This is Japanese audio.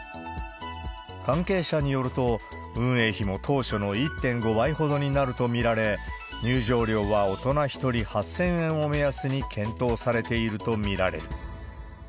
関係者によると、運営費も当初の１．５倍ほどになると見られ、入場料は大人１人８０００円を目安に検討されていると見られる。